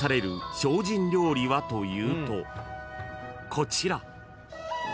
［こちら］